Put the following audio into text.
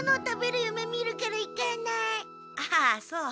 ああそう。